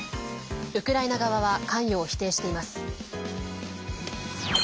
ウクライナ側は関与を否定しています。